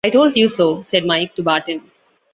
"I told you so," said Mike to Barton.